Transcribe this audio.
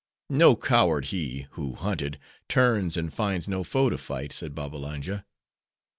"No coward he, who hunted, turns and finds no foe to fight," said Babbalanja.